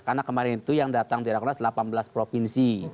karena kemarin itu yang datang di rakyat kondas delapan belas provinsi